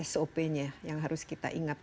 sop nya yang harus kita ingat